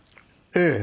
ええ。